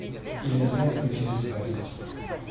Il aime bien les petits espaces.